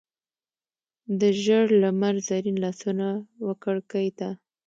د ژړ لمر زرین لاسونه وکړکۍ ته،